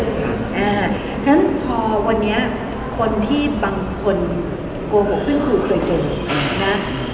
เพราะฉะนั้นพอวันนี้คนที่บางคนโกหกซึ่งครูเคยเจอนะ